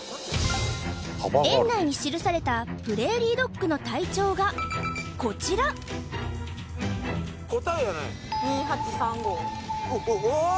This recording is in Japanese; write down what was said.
園内に記されたプレーリードッグの体長がこちら答えやねおっおお！